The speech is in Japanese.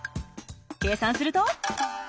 計算すると。